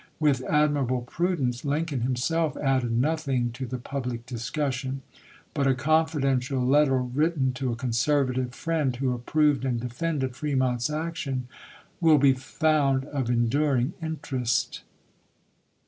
With admirable prudence Lincoln himself added nothing to the public dis cussion, but a confidential letter written to a conservative friend who approved and defended Fremont's action will be found of enduiing interest.